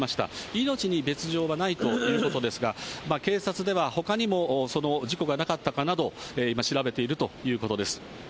命に別状はないということですが、警察ではほかにも事故がなかったかなど、今調べているということです。